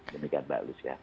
demikian pak lusya